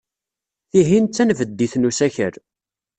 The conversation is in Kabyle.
Tihin d tanbeddit n usakal.